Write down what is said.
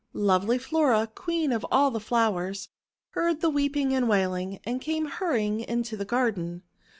Lovely Flora, Queen of all the Flowers, heard the weeping and wailing, and came hurrying into the garden.